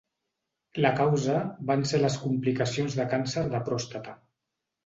La causa van ser les complicacions de càncer de pròstata.